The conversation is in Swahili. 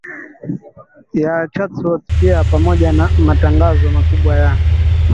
ya Chatsworth pia pamoja na matangazo makubwa ya